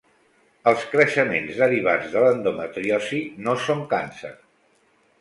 Els creixements derivats de l'endometriosi no son càncer.